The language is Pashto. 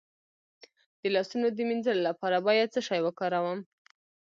د لاسونو د مینځلو لپاره باید څه شی وکاروم؟